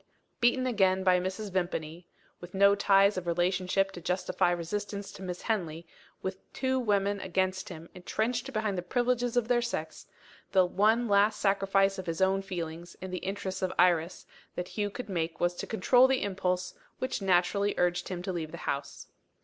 Beaten again by Mrs. Vimpany with no ties of relationship to justify resistance to Miss Henley; with two women against him, entrenched behind the privileges of their sex the one last sacrifice of his own feelings, in the interests of Iris, that Hugh could make was to control the impulse which naturally urged him to leave the house.